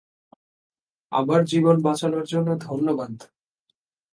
আমার জীবন বাঁচানোর জন্য ধন্যবাদ।